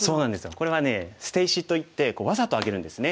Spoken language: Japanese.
これはね捨て石といってわざとあげるんですね。